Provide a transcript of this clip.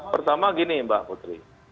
pertama gini mbak putri